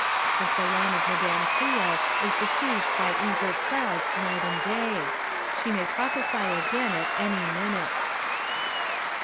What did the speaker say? The salon of Madame Cleo is besieged by eager crowds night and day. She may prophesy again at any minute.